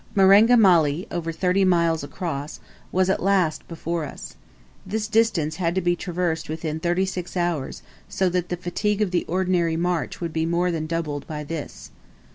Marenga Mali, over thirty miles across, was at last before us. This distance had to be traversed within thirty six hours, so that the fatigue of the ordinary march would be more than doubled by this.